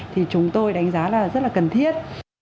thì chúng tôi đánh giá là rất là cần thiết